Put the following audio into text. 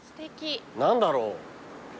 何だろう？